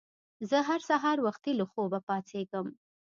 زه هر سهار وختي له خوبه پاڅیږم.